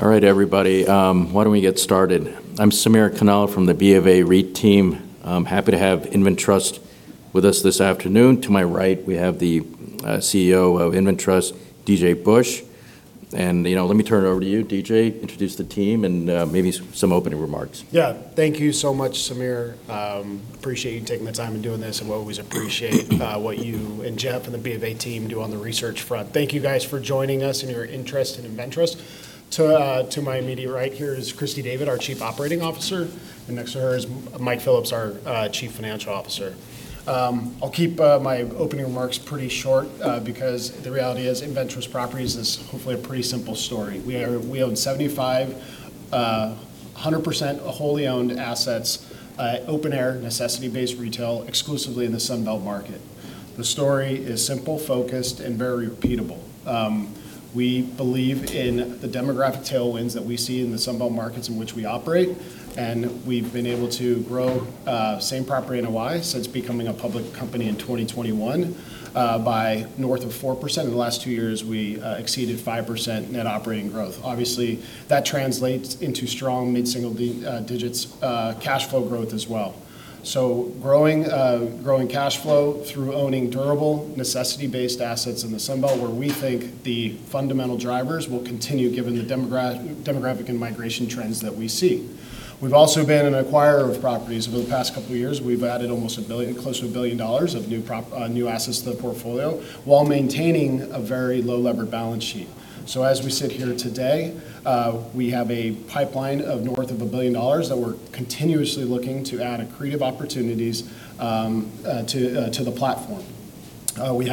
All right, everybody. Why don't we get started? I'm Samir Khanal from the BofA REIT team. I'm happy to have InvenTrust with us this afternoon. To my right, we have the CEO of InvenTrust, D.J. Busch. Let me turn it over to you, DJ, introduce the team, and maybe some opening remarks. Thank you so much, Samir. Appreciate you taking the time and doing this, and we always appreciate what you and Jeff and the BofA team do on the research front. Thank you guys for joining us and your interest in InvenTrust. To my immediate right here is Christy David, our Chief Operating Officer, and next to her is Mike Phillips, our Chief Financial Officer. I'll keep my opening remarks pretty short because the reality is InvenTrust Properties is hopefully a pretty simple story. We own 75, 100% wholly owned assets, open-air, necessity-based retail, exclusively in the Sun Belt market. The story is simple, focused, and very repeatable. We believe in the demographic tailwinds that we see in the Sun Belt markets in which we operate, and we've been able to grow same property NOI since becoming a public company in 2021 by north of 4%. In the last two years, we exceeded 5% net operating growth. Obviously, that translates into strong mid-single digits cash flow growth as well. Growing cash flow through owning durable necessity-based assets in the Sun Belt, where we think the fundamental drivers will continue given the demographic and migration trends that we see. We've also been an acquirer of properties over the past couple of years. We've added close to $1 billion of new assets to the portfolio while maintaining a very low levered balance sheet. As we sit here today, we have a pipeline of north of $1 billion that we're continuously looking to add accretive opportunities to the platform. We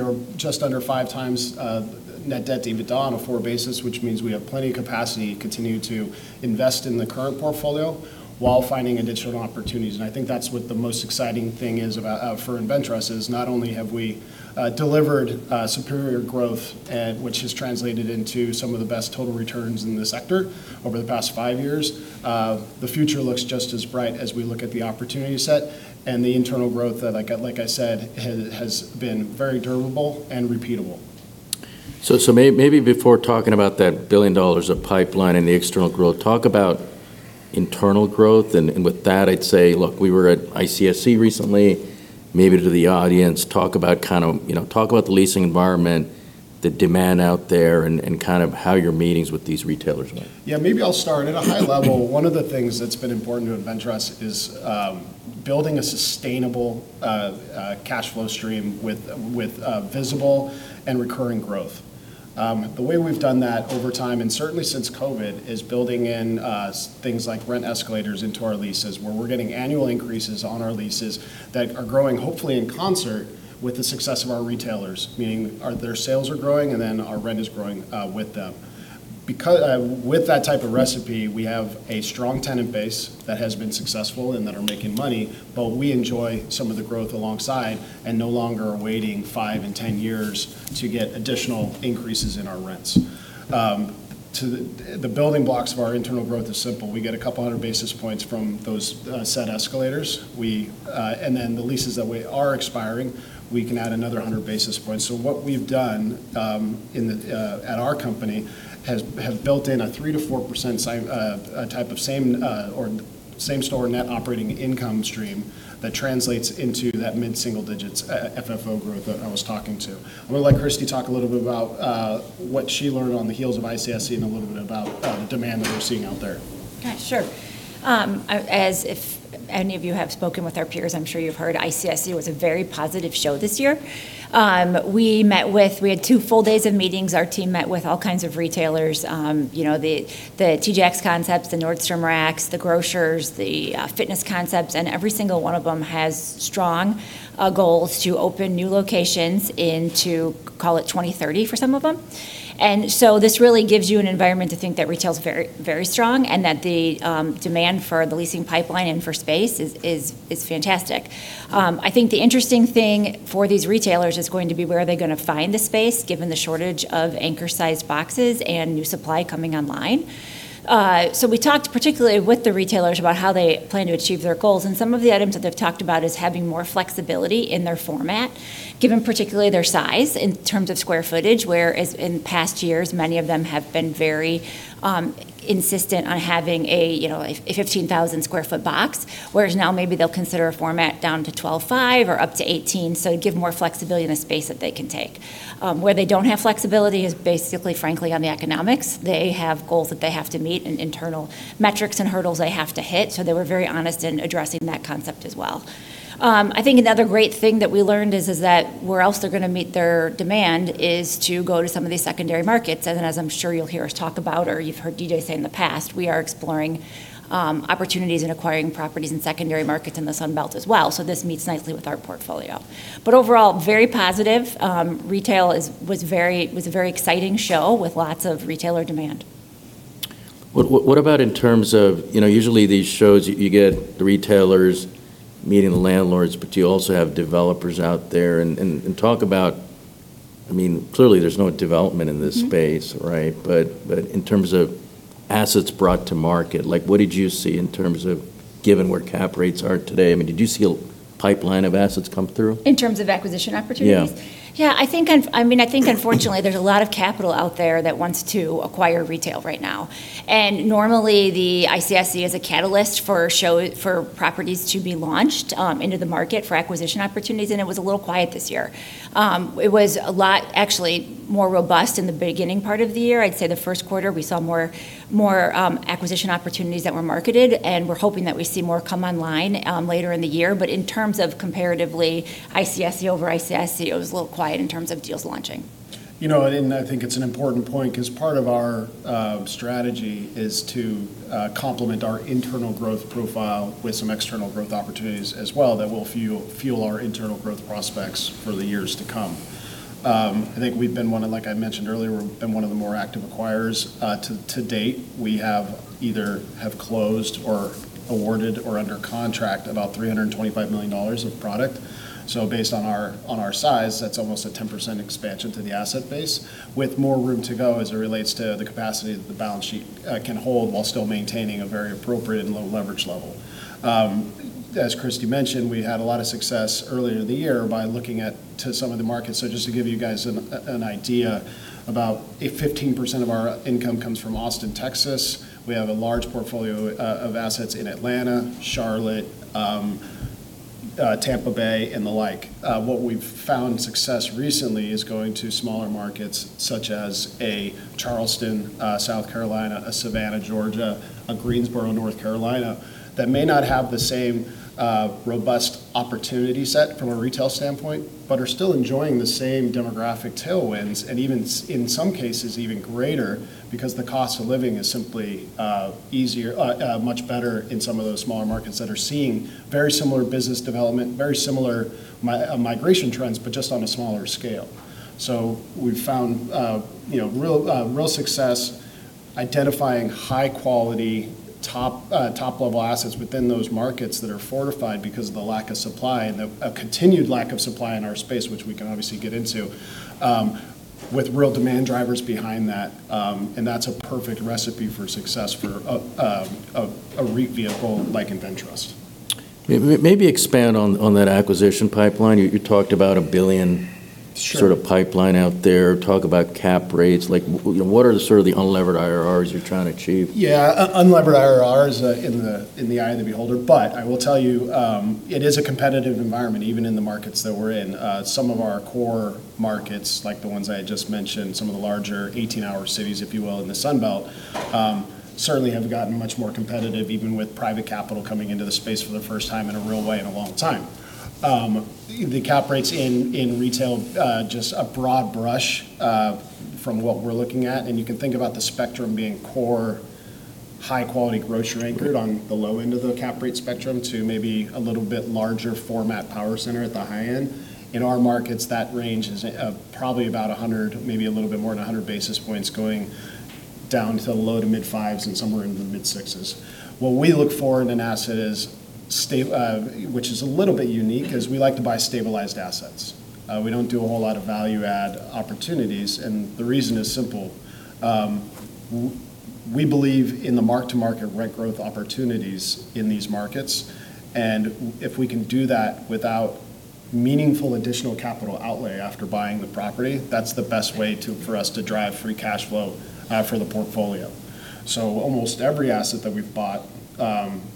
are just under five times net debt to EBITDA on a forward basis, which means we have plenty of capacity to continue to invest in the current portfolio while finding additional opportunities. I think that's what the most exciting thing is for InvenTrust is not only have we delivered superior growth, which has translated into some of the best total returns in the sector over the past five years. The future looks just as bright as we look at the opportunity set. The internal growth that, like I said, has been very durable and repeatable. Maybe before talking about that $1 billion of pipeline and the external growth, talk about internal growth, and with that, I'd say, look, we were at ICSC recently. Maybe to the audience, talk about the leasing environment, the demand out there, and how your meetings with these retailers went. Yeah, maybe I'll start. At a high level, one of the things that's been important to InvenTrust is building a sustainable cash flow stream with visible and recurring growth. The way we've done that over time, and certainly since COVID, is building in things like rent escalators into our leases, where we're getting annual increases on our leases that are growing, hopefully in concert with the success of our retailers, meaning their sales are growing, and then our rent is growing with them. With that type of recipe, we have a strong tenant base that has been successful and that are making money, we enjoy some of the growth alongside and no longer are waiting five and 10 years to get additional increases in our rents. The building blocks of our internal growth is simple. We get a couple of hundred basis points from those set escalators. The leases that are expiring, we can add another 100 basis points. What we've done at our company have built in a 3% to 4% type of same-store net operating income stream that translates into that mid-single digits FFO growth that I was talking to. I'm going to let Christy talk a little bit about what she learned on the heels of ICSC and a little bit about the demand that we're seeing out there. Sure. If any of you have spoken with our peers, I'm sure you've heard ICSC was a very positive show this year. We had two full days of meetings. Our team met with all kinds of retailers. The TJX Concepts, the Nordstrom Racks, the grocers, the fitness concepts, every single one of them has strong goals to open new locations into, call it 2030 for some of them. This really gives you an environment to think that retail's very strong and that the demand for the leasing pipeline and for space is fantastic. I think the interesting thing for these retailers is going to be where are they going to find the space given the shortage of anchor-sized boxes and new supply coming online. We talked particularly with the retailers about how they plan to achieve their goals, and some of the items that they've talked about is having more flexibility in their format given particularly their size in terms of square footage, whereas in past years, many of them have been very insistent on having a 15,000 sq ft box, whereas now maybe they'll consider a format down to 12,500 sq ft or up to 18,000 sq ft, so give more flexibility in the space that they can take. Where they don't have flexibility is basically, frankly, on the economics. They have goals that they have to meet and internal metrics and hurdles they have to hit, so they were very honest in addressing that concept as well. I think another great thing that we learned is that where else they're going to meet their demand is to go to some of these secondary markets, and as I'm sure you'll hear us talk about or you've heard D.J. say in the past, we are exploring opportunities in acquiring properties in secondary markets in the Sun Belt as well. This meets nicely with our portfolio. Overall, very positive. Retail was a very exciting show with lots of retailer demand. What about in terms of usually these shows you get the retailers meeting the landlords, but you also have developers out there and talk about clearly there's no development in this space, right? In terms of assets brought to market, what did you see in terms of given where cap rates are today? Did you see a pipeline of assets come through? In terms of acquisition opportunities? Yeah. Yeah, I think unfortunately, there's a lot of capital out there that wants to acquire retail right now. Normally, the ICSC is a catalyst for properties to be launched into the market for acquisition opportunities, and it was a little quiet this year. It was a lot, actually, more robust in the beginning part of the year. I'd say the first quarter, we saw more acquisition opportunities that were marketed, and we're hoping that we see more come online later in the year. In terms of comparatively ICSC over ICSC, it was a little quiet in terms of deals launching. I think it's an important point because part of our strategy is to complement our internal growth profile with some external growth opportunities as well that will fuel our internal growth prospects for the years to come. I think we've been one of, like I mentioned earlier, we've been one of the more active acquirers to date. We have either have closed or awarded or under contract about $325 million of product. Based on our size, that's almost a 10% expansion to the asset base with more room to go as it relates to the capacity that the balance sheet can hold while still maintaining a very appropriate and low leverage level. As Christy mentioned, we had a lot of success earlier in the year by looking at to some of the markets. Just to give you guys an idea about 15% of our income comes from Austin, Texas. We have a large portfolio of assets in Atlanta, Charlotte, Tampa Bay, and the like. What we've found success recently is going to smaller markets such as Charleston, South Carolina, Savannah, Georgia, Greensboro, North Carolina, that may not have the same robust opportunity set from a retail standpoint, but are still enjoying the same demographic tailwinds, and even in some cases, even greater because the cost of living is simply much better in some of those smaller markets that are seeing very similar business development, very similar migration trends, but just on a smaller scale. We've found real success identifying high quality, top-level assets within those markets that are fortified because of the lack of supply and a continued lack of supply in our space, which we can obviously get into, with real demand drivers behind that, and that's a perfect recipe for success for a REIT vehicle like InvenTrust. Maybe expand on that acquisition pipeline. You talked about a billion. Sure. Sort of pipeline out there. Talk about cap rates. What are the sort of the unlevered IRRs you're trying to achieve? Yeah. Unlevered IRR is in the eye of the beholder. I will tell you, it is a competitive environment, even in the markets that we're in. Some of our core markets, like the ones I just mentioned, some of the larger 18-hour cities, if you will, in the Sun Belt, certainly have gotten much more competitive, even with private capital coming into the space for the first time in a real way in a long time. The cap rates in retail, just a broad brush from what we're looking at, and you can think about the spectrum being core high quality grocery-anchored on the low end of the cap rate spectrum to maybe a little bit larger format power center at the high end. In our markets, that range is probably about 100, maybe a little bit more than 100 basis points going down to the low to mid 5s and somewhere into the mid 6s. What we look for in an asset is, which is a little bit unique, is we like to buy stabilized assets. We don't do a whole lot of value add opportunities, and the reason is simple. We believe in the mark-to-market rent growth opportunities in these markets, and if we can do that without meaningful additional capital outlay after buying the property, that's the best way for us to drive free cash flow for the portfolio. Almost every asset that we've bought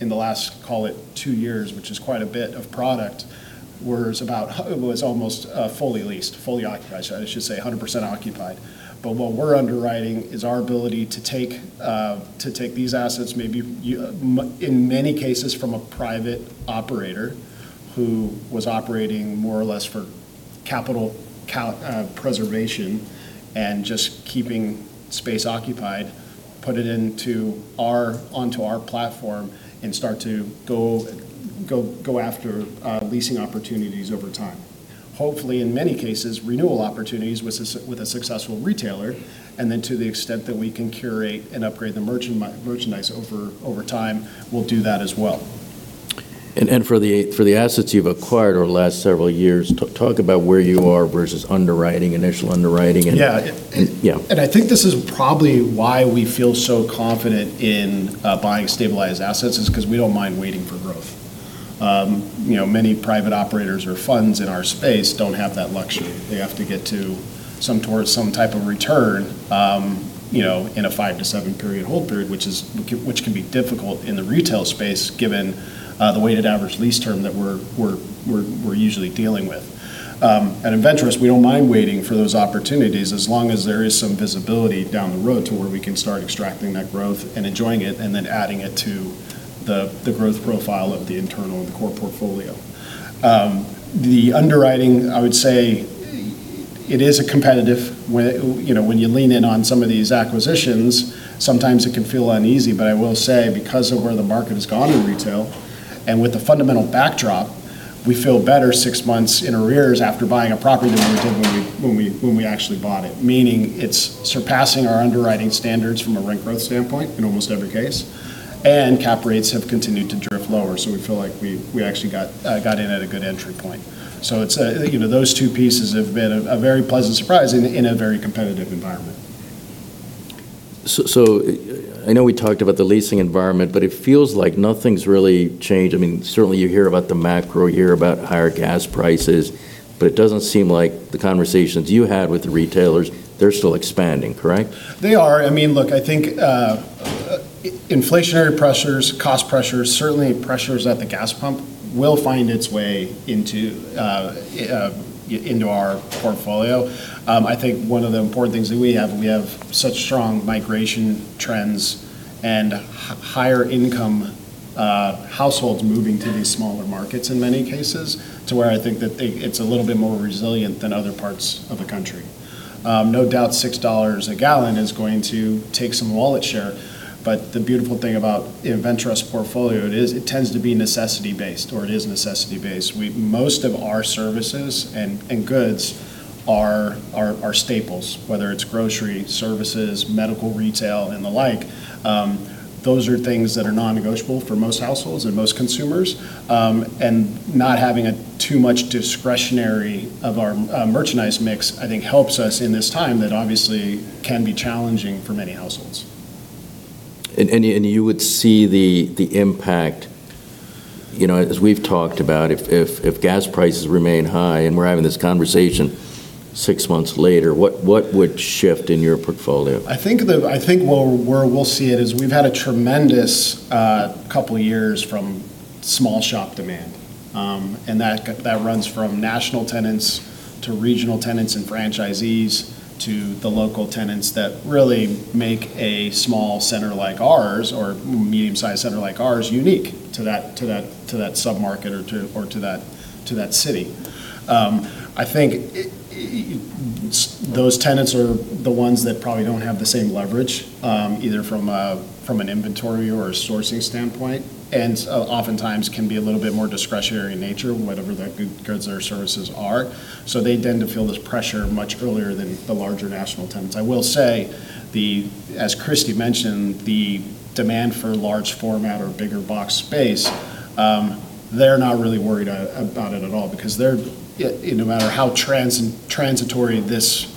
in the last, call it two years, which is quite a bit of product, was almost fully leased, fully occupied, I should say, 100% occupied. What we're underwriting is our ability to take these assets, maybe in many cases from a private operator who was operating more or less for capital preservation and just keeping space occupied, put it onto our platform, and start to go after leasing opportunities over time. Hopefully, in many cases, renewal opportunities with a successful retailer, and then to the extent that we can curate and upgrade the merchandise over time, we'll do that as well. For the assets you've acquired over the last several years, talk about where you are versus underwriting, initial underwriting? Yeah. Yeah. I think this is probably why we feel so confident in buying stabilized assets is because we don't mind waiting for growth. Many private operators or funds in our space don't have that luxury. They have to get to some type of return in a five to seven period hold period, which can be difficult in the retail space given the weighted average lease term that we're usually dealing with. At InvenTrust, we don't mind waiting for those opportunities as long as there is some visibility down the road to where we can start extracting that growth and enjoying it and then adding it to the growth profile of the internal and the core portfolio. The underwriting, I would say it is competitive. When you lean in on some of these acquisitions, sometimes it can feel uneasy. I will say because of where the market has gone in retail and with the fundamental backdrop, we feel better six months in arrears after buying a property than we did when we actually bought it, meaning it's surpassing our underwriting standards from a rent growth standpoint in almost every case, and cap rates have continued to drift lower. We feel like we actually got in at a good entry point. Those two pieces have been a very pleasant surprise in a very competitive environment. I know we talked about the leasing environment, but it feels like nothing's really changed. Certainly, you hear about the macro, you hear about higher gas prices, but it doesn't seem like the conversations you had with the retailers, they're still expanding, correct? They are. Look, I think inflationary pressures, cost pressures, certainly pressures at the gas pump will find its way into our portfolio. I think one of the important things that we have, we have such strong migration trends and higher income households moving to these smaller markets in many cases, to where I think that it's a little bit more resilient than other parts of the country. No doubt $6 a gallon is going to take some wallet share, but the beautiful thing about InvenTrust portfolio, it tends to be necessity based, or it is necessity based. Most of our services and goods are staples, whether it's grocery, services, medical, retail, and the like. Those are things that are non-negotiable for most households and most consumers. Not having too much discretionary of our merchandise mix, I think helps us in this time that obviously can be challenging for many households. You would see the impact. As we've talked about, if gas prices remain high and we're having this conversation six months later, what would shift in your portfolio? I think where we'll see it is we've had a tremendous couple of years from small shop demand. That runs from national tenants to regional tenants and franchisees, to the local tenants that really make a small center like ours, or medium-sized center like ours, unique to that sub-market or to that city. I think those tenants are the ones that probably don't have the same leverage, either from an inventory or a sourcing standpoint, and oftentimes can be a little bit more discretionary in nature, whatever their goods or services are. They tend to feel this pressure much earlier than the larger national tenants. I will say, as Christy mentioned, the demand for large format or bigger box space, they're not really worried about it at all because no matter how transitory these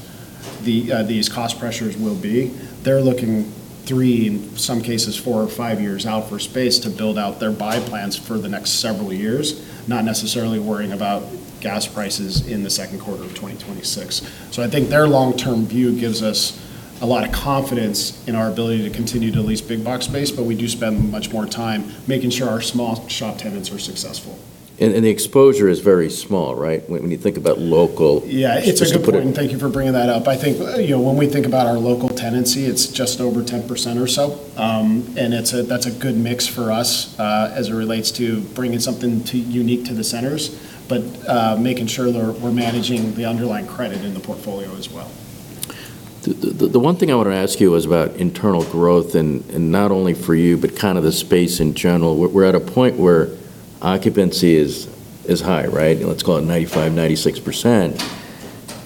cost pressures will be, they're looking three, in some cases four or five years out for space to build out their buy plans for the next several years, not necessarily worrying about gas prices in the second quarter of 2026. I think their long-term view gives us a lot of confidence in our ability to continue to lease big box space, but we do spend much more time making sure our small shop tenants are successful. The exposure is very small, right? When you think about local. Yeah, it's a good point. Just to put. Thank you for bringing that up. I think when we think about our local tenancy, it's just over 10% or so. That's a good mix for us as it relates to bringing something unique to the centers, but making sure that we're managing the underlying credit in the portfolio as well. The one thing I want to ask you was about internal growth, not only for you, but kind of the space in general. We're at a point where occupancy is high, right? Let's call it 95%-96%.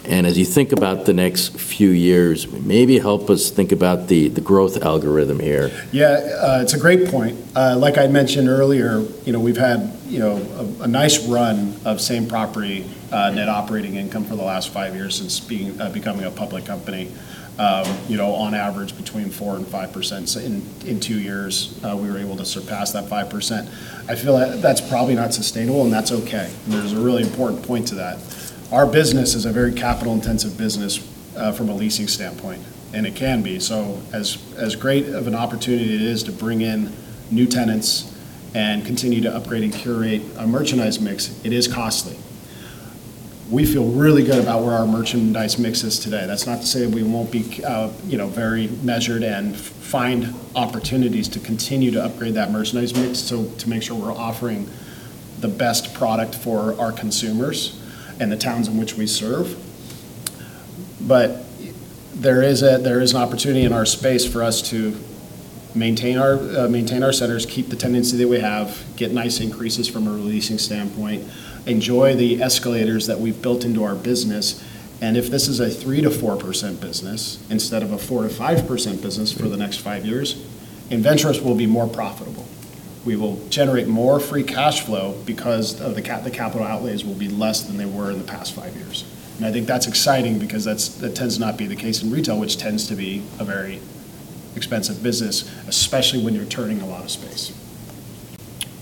As you think about the next few years, maybe help us think about the growth algorithm here. Yeah. It's a great point. Like I mentioned earlier, we've had a nice run of same property net operating income for the last five years since becoming a public company. On average, between 4%-5%. In two years, we were able to surpass that 5%. I feel that's probably not sustainable, and that's okay. There's a really important point to that. Our business is a very capital-intensive business from a leasing standpoint, and it can be. As great of an opportunity it is to bring in new tenants and continue to upgrade and curate a merchandise mix, it is costly. We feel really good about where our merchandise mix is today. That's not to say we won't be very measured and find opportunities to continue to upgrade that merchandise mix to make sure we're offering the best product for our consumers and the towns in which we serve. There is an opportunity in our space for us to maintain our centers, keep the tenancy that we have, get nice increases from a leasing standpoint, enjoy the escalators that we've built into our business, and if this is a 3%-4% business instead of a 4%-5% business for the next five years, InvenTrust will be more profitable. We will generate more free cash flow because the capital outlays will be less than they were in the past five years. I think that's exciting because that tends to not be the case in retail, which tends to be a very expensive business, especially when you're turning a lot of space.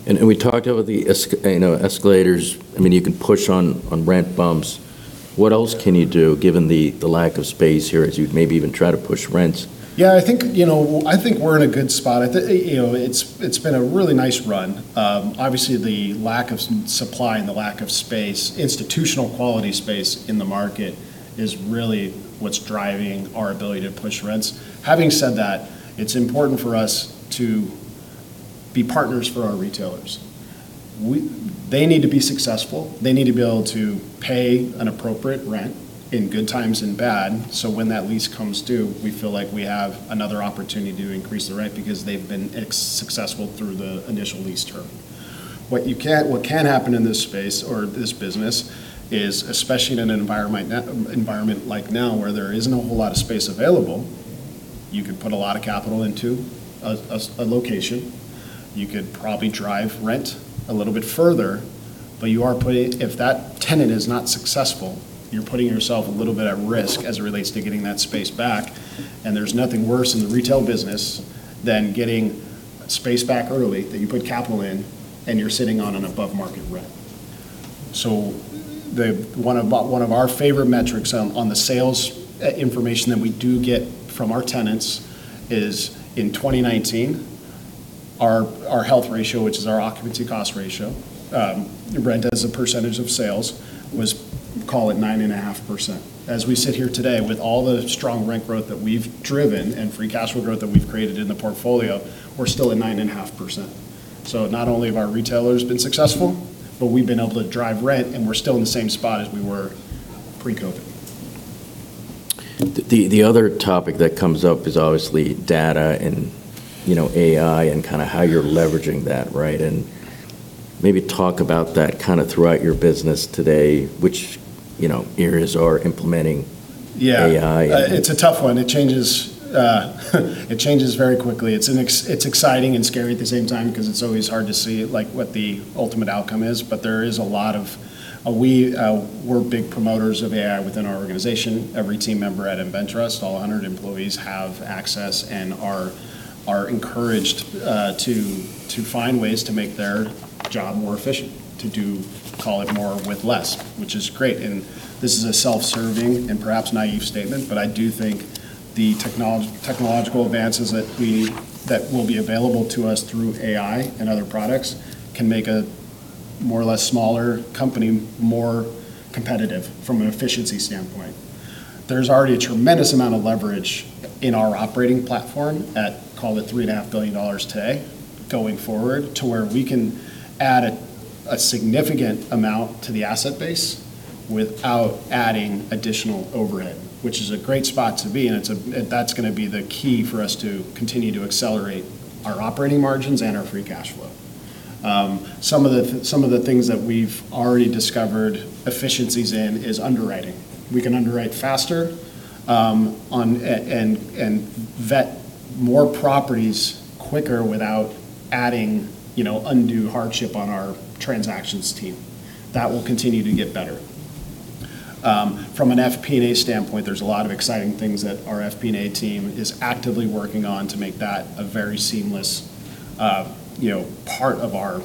We talked about the escalators. You can push on rent bumps. What else can you do given the lack of space here as you maybe even try to push rents? Yeah, I think we're in a good spot. It's been a really nice run. Obviously, the lack of supply and the lack of space, institutional quality space in the market is really what's driving our ability to push rents. Having said that, it's important for us to be partners for our retailers. They need to be successful. They need to be able to pay an appropriate rent in good times and bad, so when that lease comes due, we feel like we have another opportunity to increase the rent because they've been successful through the initial lease term. What can happen in this space or this business is, especially in an environment like now where there isn't a whole lot of space available, you could put a lot of capital into a location. You could probably drive rent a little bit further, but if that tenant is not successful, you're putting yourself a little bit at risk as it relates to getting that space back. There's nothing worse in the retail business than getting space back early that you put capital in and you're sitting on an above-market rent. One of our favorite metrics on the sales information that we do get from our tenants is in 2019, our health ratio, which is our occupancy cost ratio, rent as a percentage of sales, was call it 9.5%. As we sit here today with all the strong rent growth that we've driven and free cash flow growth that we've created in the portfolio, we're still at 9.5%. Not only have our retailers been successful, but we've been able to drive rent, and we're still in the same spot as we were pre-COVID. The other topic that comes up is obviously data and AI and how you're leveraging that, right? Maybe talk about that throughout your business today, which areas are implementing AI. Yeah. It's a tough one. It changes very quickly. It's exciting and scary at the same time because it's always hard to see what the ultimate outcome is. We're big promoters of AI within our organization. Every team member at InvenTrust, all 100 employees, have access and are encouraged to find ways to make their job more efficient, to do call it more with less, which is great. This is a self-serving and perhaps naive statement. I do think the technological advances that will be available to us through AI and other products can make a more or less smaller company more competitive from an efficiency standpoint. There's already a tremendous amount of leverage in our operating platform at call it $3.5 billion today, going forward to where we can add a significant amount to the asset base without adding additional overhead, which is a great spot to be in. That's going to be the key for us to continue to accelerate our operating margins and our free cash flow. Some of the things that we've already discovered efficiencies in is underwriting. We can underwrite faster, and vet more properties quicker without adding undue hardship on our transactions team. That will continue to get better. From an FP&A standpoint, there's a lot of exciting things that our FP&A team is actively working on to make that a very seamless part of our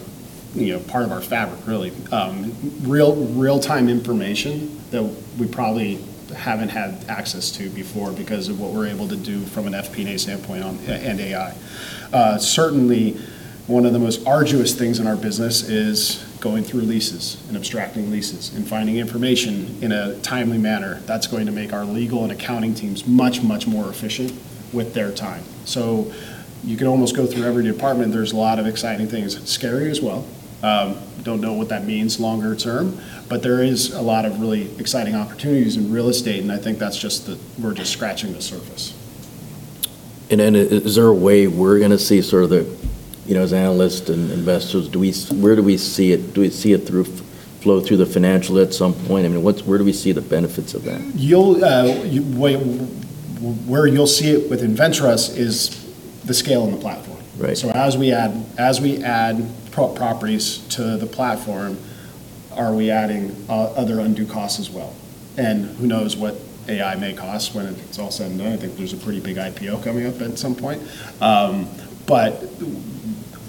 fabric really. Real-time information that we probably haven't had access to before because of what we're able to do from an FP&A standpoint and AI. Certainly, one of the most arduous things in our business is going through leases and abstracting leases and finding information in a timely manner. That's going to make our legal and accounting teams much, much more efficient with their time. You could almost go through every department. There's a lot of exciting things. It's scary as well. Don't know what that means longer term, but there is a lot of really exciting opportunities in real estate, and I think we're just scratching the surface. Is there a way we're going to see sort of the, as analysts and investors, where do we see it? Do we see it flow through the financial at some point? I mean, where do we see the benefits of that? Where you'll see it with InvenTrust is the scale in the platform. Right. As we add properties to the platform, are we adding other undue costs as well? Who knows what AI may cost when it's all said and done. I think there's a pretty big IPO coming up at some point.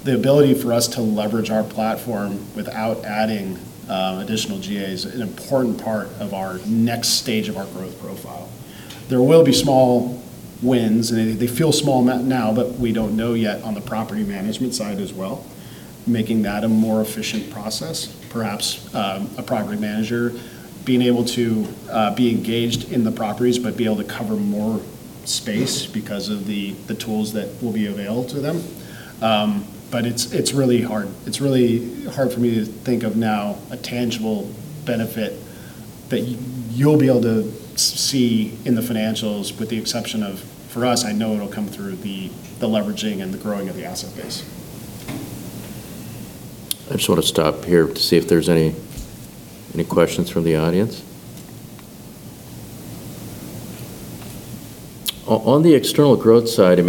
The ability for us to leverage our platform without adding additional G&A is an important part of our next stage of our growth profile. There will be small wins, and they feel small now, but we don't know yet on the property management side as well, making that a more efficient process. Perhaps a property manager being able to be engaged in the properties but be able to cover more space because of the tools that will be available to them. It's really hard for me to think of now a tangible benefit that you'll be able to see in the financials, with the exception of, for us, I know it'll come through the leveraging and the growing of the asset base. I just want to stop here to see if there's any questions from the audience. On the external growth side,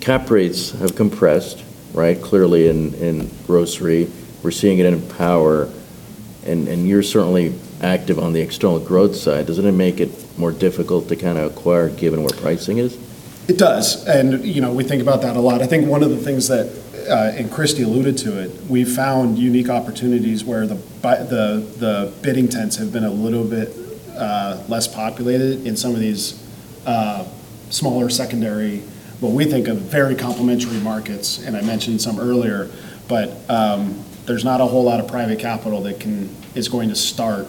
cap rates have compressed, right? Clearly in grocery. We're seeing it in power, and you're certainly active on the external growth side. Doesn't it make it more difficult to acquire given where pricing is? It does, and we think about that a lot. I think one of the things that, and Christy alluded to it, we've found unique opportunities where the bidding tents have been a little bit less populated in some of these smaller secondary, what we think of very complementary markets, and I mentioned some earlier. There's not a whole lot of private capital that is going to start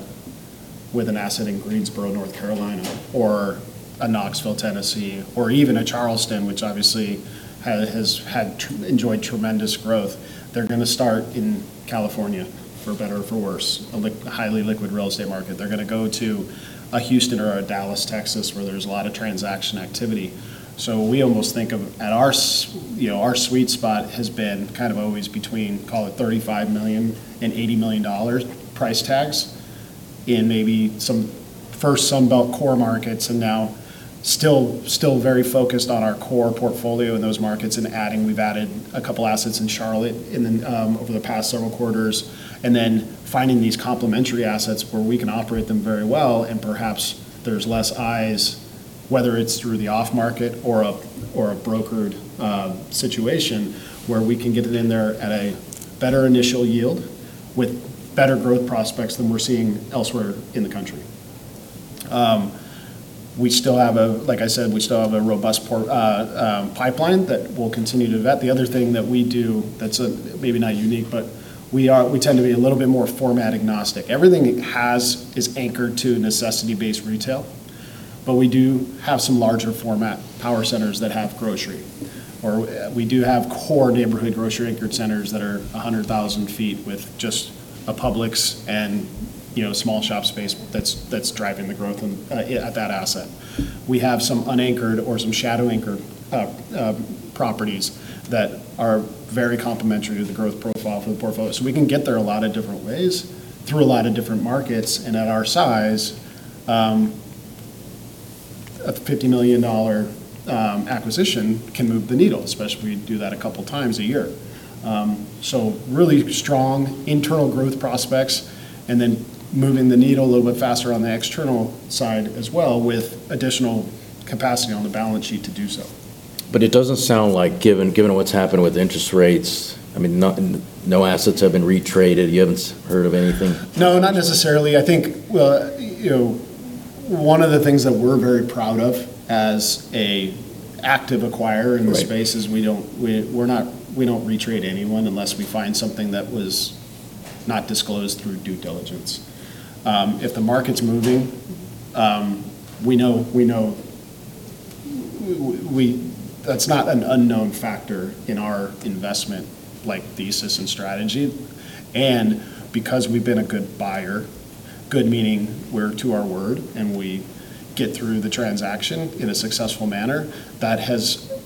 with an asset in Greensboro, North Carolina, or a Knoxville, Tennessee, or even a Charleston, which obviously has enjoyed tremendous growth. They're going to start in California, for better or for worse, a highly liquid real estate market. They're going to go to a Houston or a Dallas, Texas, where there's a lot of transaction activity. We almost think of our sweet spot has been always between call it $35 million and $80 million price tags. In maybe some first Sun Belt core markets and now still very focused on our core portfolio in those markets and adding. We've added a couple assets in Charlotte over the past several quarters. Finding these complementary assets where we can operate them very well, and perhaps there's less eyes, whether it's through the off market or a brokered situation where we can get it in there at a better initial yield with better growth prospects than we're seeing elsewhere in the country. Like I said, we still have a robust pipeline that we'll continue to vet. The other thing that we do that's maybe not unique, but we tend to be a little bit more format agnostic. Everything is anchored to necessity-based retail, but we do have some larger format power centers that have grocery, or we do have core neighborhood grocery anchored centers that are 100,000 feet with just a Publix and small shop space that's driving the growth at that asset. We have some unanchored or some shadow-anchored properties that are very complementary to the growth profile for the portfolio. We can get there a lot of different ways through a lot of different markets. At our size, a $50 million acquisition can move the needle, especially if we do that a couple times a year. Really strong internal growth prospects and then moving the needle a little bit faster on the external side as well with additional capacity on the balance sheet to do so. It doesn't sound like, given what's happened with interest rates, no assets have been retraded. You haven't heard of anything? No, not necessarily. I think one of the things that we're very proud of as a active acquirer in the space is we don't retrade anyone unless we find something that was not disclosed through due diligence. If the market's moving, that's not an unknown factor in our investment thesis and strategy. Because we've been a good buyer, good meaning we're to our word, and we get through the transaction in a successful manner, that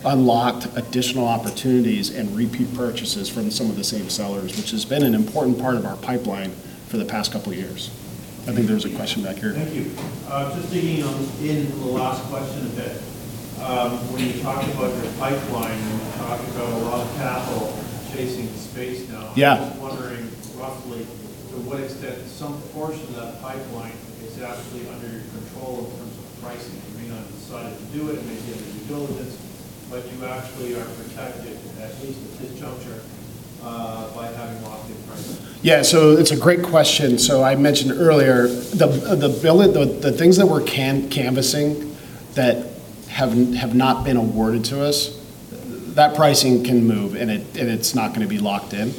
has unlocked additional opportunities and repeat purchases from some of the same sellers, which has been an important part of our pipeline for the past couple of years. I think there's a question back here. Thank you. Just digging in the last question a bit. When you talk about your pipeline, you talk about a lot of capital chasing the space now. Yeah. I'm just wondering roughly to what extent some portion of that pipeline is actually under your control in terms of pricing. You may not have decided to do it, and maybe other due diligence, but you actually are protected, at least at this juncture, by having locked in pricing. Yeah. It's a great question. I mentioned earlier, the things that we're canvassing that have not been awarded to us, that pricing can move, and it's not going to be locked in.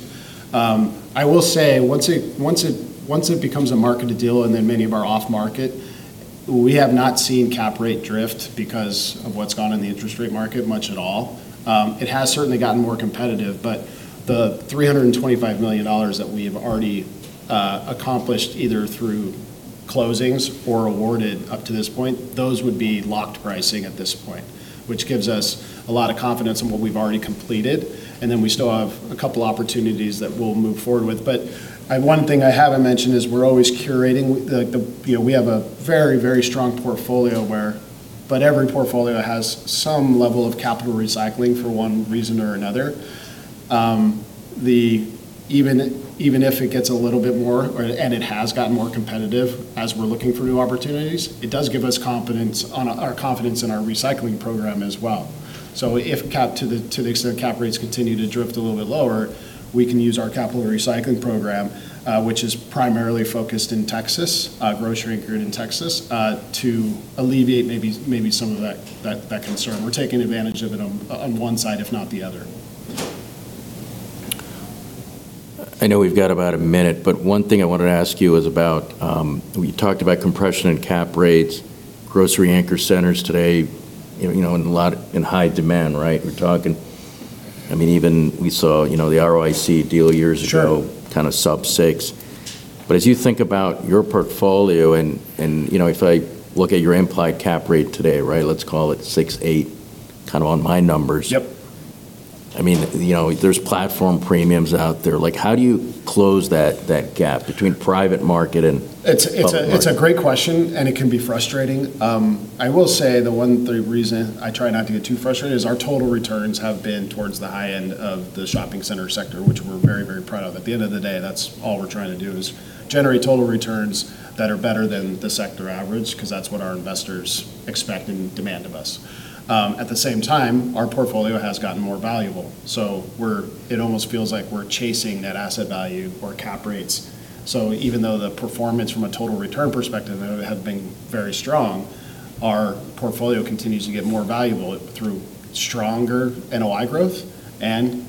I will say, once it becomes a marketed deal and then many of our off market, we have not seen cap rate drift because of what's gone in the interest rate market much at all. It has certainly gotten more competitive, but the $325 million that we have already accomplished, either through closings or awarded up to this point, those would be locked pricing at this point, which gives us a lot of confidence in what we've already completed. Then we still have a couple opportunities that we'll move forward with. One thing I haven't mentioned is we're always curating. We have a very strong portfolio, but every portfolio has some level of capital recycling for one reason or another. Even if it gets a little bit more, and it has gotten more competitive as we're looking for new opportunities, it does give us confidence on our confidence in our recycling program as well. If to the extent cap rates continue to drift a little bit lower, we can use our capital recycling program, which is primarily focused in Texas, grocery anchored in Texas, to alleviate maybe some of that concern. We're taking advantage of it on one side, if not the other. I know we've got about a minute, but one thing I wanted to ask you is about, we talked about compression and cap rates, grocery anchor centers today in high demand, right? We saw the ROIC deal years ago. Sure. Sub 6%. As you think about your portfolio, and if I look at your implied cap rate today, let's call it 6.8% on my numbers. Yep. There's platform premiums out there. How do you close that gap between private market and public market? It's a great question, and it can be frustrating. I will say the reason I try not to get too frustrated is our total returns have been towards the high end of the shopping center sector, which we're very proud of. At the end of the day, that's all we're trying to do, is generate total returns that are better than the sector average, because that's what our investors expect and demand of us. At the same time, our portfolio has gotten more valuable, it almost feels like we're chasing that asset value or cap rates. Even though the performance from a total return perspective have been very strong, our portfolio continues to get more valuable through stronger NOI growth and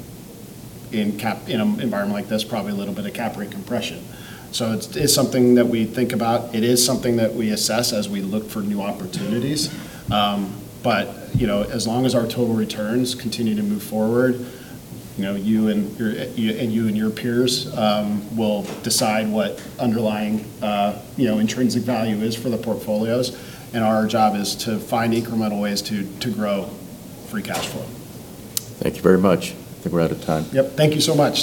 in an environment like this, probably a little bit of cap rate compression. It's something that we think about. It is something that we assess as we look for new opportunities. As long as our total returns continue to move forward, you and your peers will decide what underlying intrinsic value is for the portfolios. Our job is to find incremental ways to grow free cash flow. Thank you very much. I think we're out of time. Yep. Thank you so much.